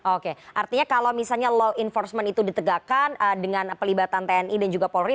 oke artinya kalau misalnya law enforcement itu ditegakkan dengan pelibatan tni dan juga polri